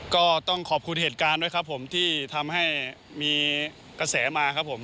ก็ต้องขอบคุณเหตุการณ์ด้วยครับผมที่ทำให้มีกระแสมาครับผม